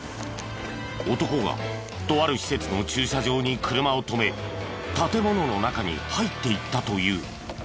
男がとある施設の駐車場に車を止め建物の中に入っていったという。